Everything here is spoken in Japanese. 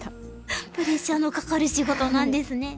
プレッシャーのかかる仕事なんですね。